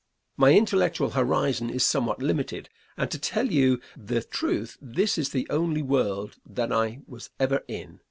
My intellectual horizon is somewhat limited, and, to tell you the truth, this is the only world that I was ever in.